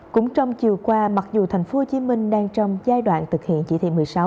cũng trong chiều qua mặc dù tp hcm đang trong giai đoạn thực hiện chỉ thị một mươi sáu